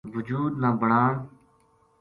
وجود نا بنان